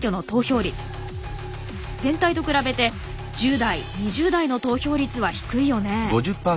全体と比べて１０代２０代の投票率は低いよね。